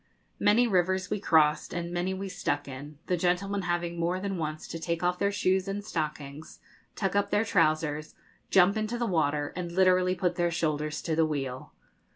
Many rivers we crossed, and many we stuck in, the gentlemen having more than once to take off their shoes and stockings, tuck up their trousers, jump into the water, and literally put their shoulders to the wheel.